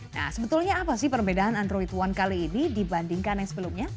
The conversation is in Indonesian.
nah sebetulnya apa sih perbedaan android one kali ini dibandingkan yang sebelumnya